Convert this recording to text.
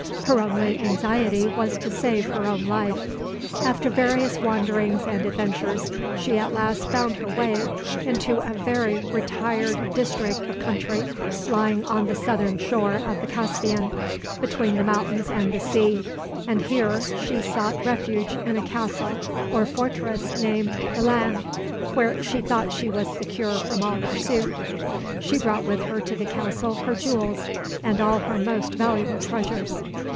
Her only anxiety was to save her own life. After various wanderings and adventures, she at last found her way into a very retired district of country lying on the southern shore of the Caspian, between the mountains and the sea, and here she sought refuge in a castle or fortress named Ilan, where she thought she was secure from all pursuit. She brought with her to the castle her jewels and all her most valuable treasures.